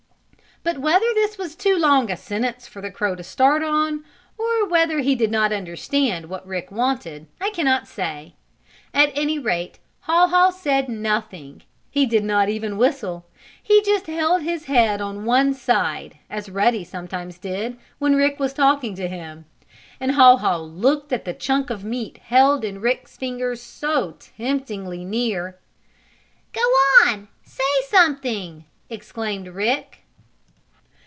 '" But whether this was too long a sentence for the crow to start on, or whether he did not understand what Rick wanted I can not say. At any rate Haw Haw said nothing. He did not even whistle. He just held his head on one side, as Ruddy sometimes did when Rick was talking to him, and Haw Haw looked at the chunk of meat held in Rick's fingers so temptingly near. "Go on! Say something!" exclaimed Rick.